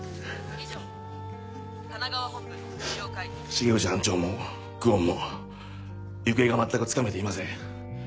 重藤班長も久遠も行方が全くつかめていません。